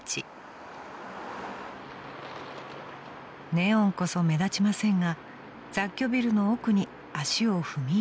［ネオンこそ目立ちませんが雑居ビルの奥に足を踏み入れれば］